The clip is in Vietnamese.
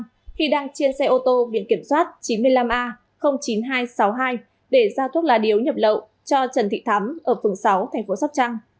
khi đang trên xe ô tô biển kiểm soát chín mươi năm a chín nghìn hai trăm sáu mươi hai để giao thuốc lá điếu nhập lậu cho trần thị thắm ở phường sáu thành phố sóc trăng